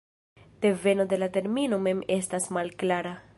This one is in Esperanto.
Deveno de la termino mem estas malklara.